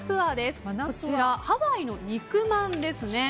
こちら、ハワイの肉まんですね。